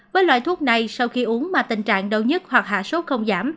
với loại thuốc này sau khi uống mà tình trạng đau nhất hoặc hạ sốt không giảm